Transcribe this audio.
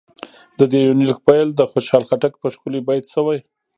د دې يونليک پيل د خوشحال خټک په ښکلي بېت شوې